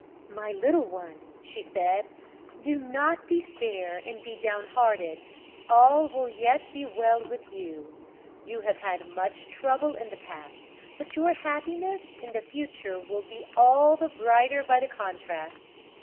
"My little one," she said, "do not despair and be down hearted: all will yet be well with you. You have had much trouble in the past, but your happiness in the future will be all the brighter by the contrast.